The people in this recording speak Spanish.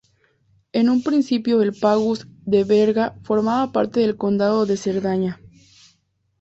En un principio, el "pagus" de Berga formaba parte del condado de Cerdaña.